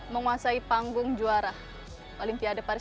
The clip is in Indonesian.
menguasai panggung juara olimpiade paris dua ribu dua puluh empat